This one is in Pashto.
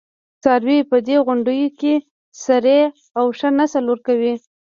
څاروي په دې غونډیو کې څري او ښه نسل ورکوي.